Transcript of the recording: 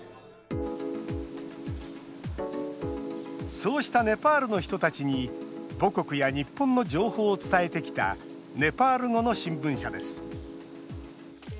そうしたネパールの人たちに母国や日本の情報を伝えてきたネパール語の新聞社です。